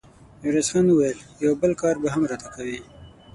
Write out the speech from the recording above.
ميرويس خان وويل: يو بل کار به هم راته کوې!